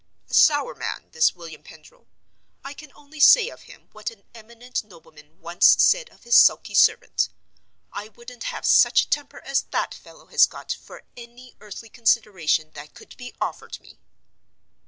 A sour man, this William Pendril. I can only say of him what an eminent nobleman once said of his sulky servant—"I wouldn't have such a temper as that fellow has got for any earthly consideration that could be offered me!"